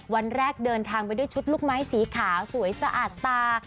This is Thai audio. วันแรกเดินทางไปด้วยชุดลูกไม้สีขาวสวยสะอาดตา